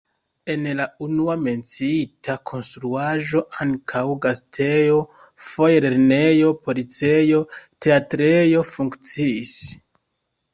En la unua menciita konstruaĵo ankaŭ gastejo, foje lernejo, policejo, teatrejo funkciis.